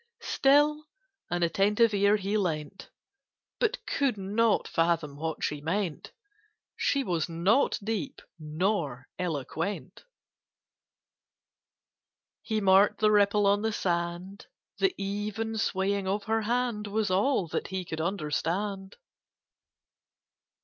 Still an attentive ear he lent But could not fathom what she meant: She was not deep, nor eloquent. He marked the ripple on the sand: The even swaying of her hand Was all that he could understand.